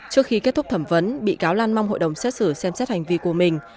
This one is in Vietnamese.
trước khi kết thúc thẩm vấn bị cáo lan mong hội đồng xét xử xem xét hành vi của mình